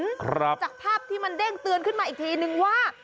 ครับจากภาพที่มันเด้งเตือนขึ้นมาอีกทีนึงว่า